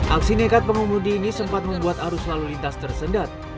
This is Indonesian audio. aksi nekat pengemudi ini sempat membuat arus lalu lintas tersendat